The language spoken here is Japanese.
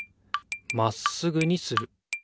まっすぐにする。